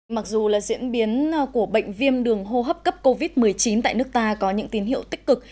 mặc dù là diễn biến của bệnh viêm đường hô hấp cấp covid một mươi chín tại nước ta có những tín hiệu tích cực